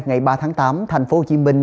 ngày ba tháng tám thành phố hồ chí minh